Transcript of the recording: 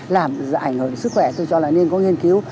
làm ảnh hưởng đến sức khỏe tôi cho là nên có nghiên cứu